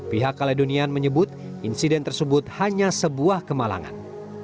pihak kaledonian menyebut insiden tersebut hanya sebuah kemalangan